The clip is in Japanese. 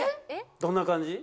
どんな感じ？